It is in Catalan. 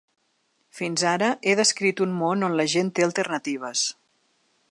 Fins ara he descrit un món on la gent té alternatives.